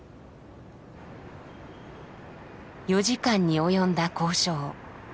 ４時間に及んだ交渉。